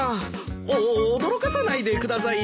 お驚かさないでくださいよ。